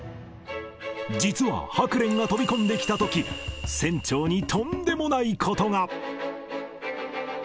実はハクレンが飛び込んできたとき、船長にとんでもないことが。